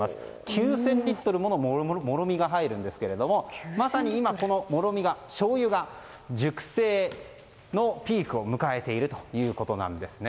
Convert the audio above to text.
９０００リットルものもろみが入るんですがまさに今、このもろみがしょうゆが熟成のピークを迎えているということなんですね。